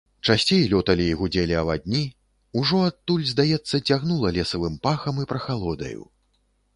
Часцей лёталі і гудзелі авадні, ужо адтуль, здаецца, цягнула лесавым пахам і прахалодаю.